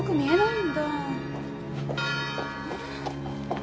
ん？